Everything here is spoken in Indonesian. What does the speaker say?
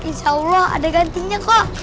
insya allah ada gantinya kok